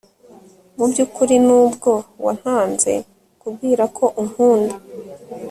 mubyukuri nubwo wantanze kubwira ko unkunda